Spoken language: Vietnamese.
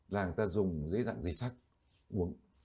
là người ta dùng dưới dạng dây sắc uống